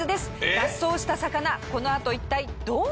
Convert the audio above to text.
脱走した魚このあと一体どうなるんでしょうか？